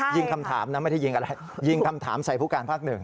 ยิงคำถามนะไม่ได้ยิงอะไรยิงคำถามใส่ผู้การภาคหนึ่ง